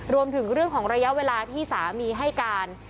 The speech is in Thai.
รวมถึงเรื่องของระยะเวลาที่สามีให้การ